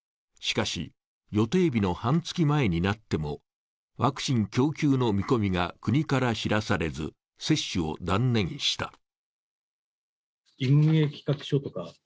しかし、予定日の半月前になってもワクチン供給の見込みが国から知らされず、接種を断念した。